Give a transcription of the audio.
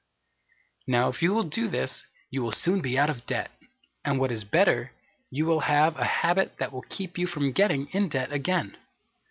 Now if you will do this, you will soon be out of debt, and what is better, you will have a habit that will keep you from getting in debt again.